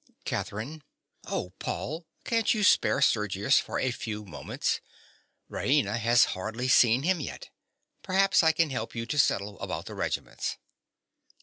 _) CATHERINE. Oh, Paul, can't you spare Sergius for a few moments? Raina has hardly seen him yet. Perhaps I can help you to settle about the regiments.